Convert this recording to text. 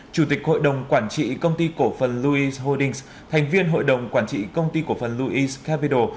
chủ tịch hội đồng quản trị công ty cổ phần louice holdings thành viên hội đồng quản trị công ty cổ phần louice capital